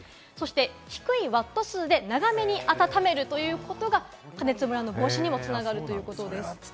低いワット数で長めに温めるということが加熱ムラの防止にも繋がるということです。